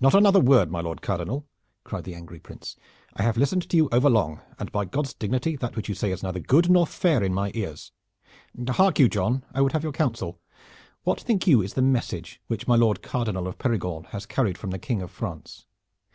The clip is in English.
"Not another word, my Lord Cardinal," cried the angry prince. "I have listened to you overlong, and by God's dignity! that which you say is neither good nor fair in my ears. Hark you, John, I would have your counsel. What think you is the message which my Lord Cardinal of Perigord has carried from the King of France?